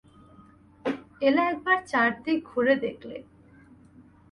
এলা একবার চারিদিক ঘুরে দেখলে।